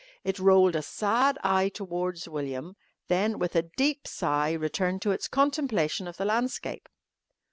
It rolled a sad eye towards William, then with a deep sigh returned to its contemplation of the landscape.